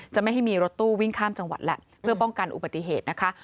ไม่ให้มีรถตู้วิ่งข้ามจังหวัดแหละเพื่อป้องกันอุบัติเหตุนะคะ